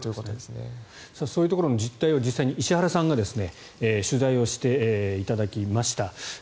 そういうところの実態を実際に石原さんに取材をしていただきました。